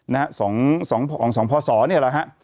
ของสองพระอาสระเนี่ยละฮะ